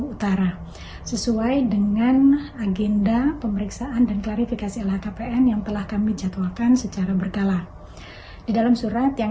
kepala dinas kesehatan provinsi lampung